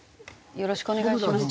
よろしくお願いします。